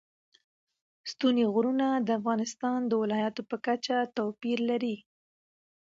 ستوني غرونه د افغانستان د ولایاتو په کچه توپیر لري.